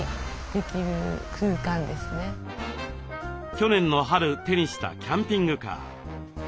去年の春手にしたキャンピングカー。